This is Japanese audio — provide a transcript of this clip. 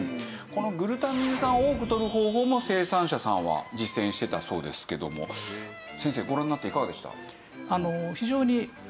このグルタミン酸を多くとる方法も生産者さんは実践していたそうですけども先生ご覧になっていかがでした？